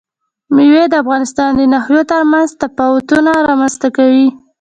مېوې د افغانستان د ناحیو ترمنځ تفاوتونه رامنځ ته کوي.